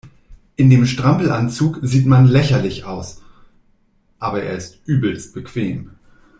In dem Strampelanzug sieht man lächerlich aus, aber er ist übelst bequem.